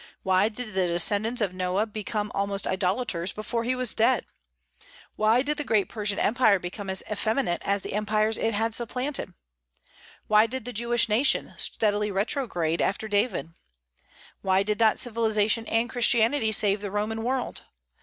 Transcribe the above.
Why did the descendants of Noah become almost idolaters before he was dead? Why did the great Persian Empire become as effeminate as the empires it had supplanted? Why did the Jewish nation steadily retrograde after David? Why did not civilization and Christianity save the Roman world?